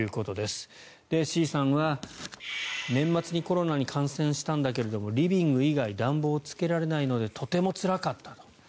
Ｃさんは年末にコロナに感染したんだけれどもリビング以外暖房つけられないのでとてもつらかったと。